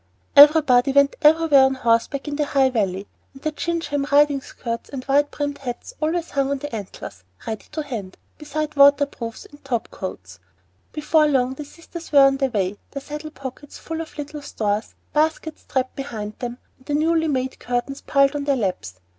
Everybody went everywhere on horseback in the High Valley, and the gingham riding skirts and wide brimmed hats hung always on the antlers, ready to hand, beside water proofs and top coats. Before long the sisters were on their way, their saddle pockets full of little stores, baskets strapped behind them, and the newly made curtains piled on their laps.